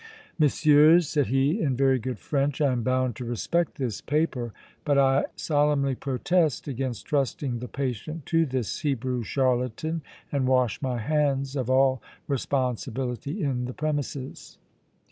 "Messieurs," said he, in very good French, "I am bound to respect this paper, but I solemnly protest against trusting the patient to this Hebrew charlatan and wash my hands of all responsibility in the premises!"